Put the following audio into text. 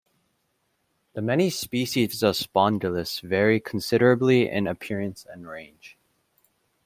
The many species of "Spondylus" vary considerably in appearance and range.